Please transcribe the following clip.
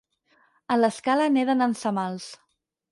A l'Escala neden en semals.